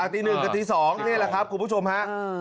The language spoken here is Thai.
ตี๑กับตี๒นี่แหละครับคุณผู้ชมฮะ